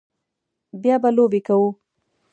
بیا به لوبې کوو